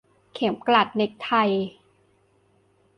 เข็มกลัดเน็คไท